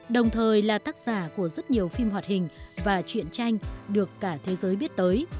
đồng thời là tác giả của rất nhiều phim hoạt hình và chuyện tranh được cả thế giới biết tới